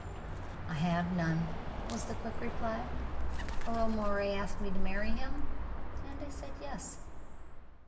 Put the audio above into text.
"I have none," was the quick reply. "Earle Moray asked me to marry him, and I said yes."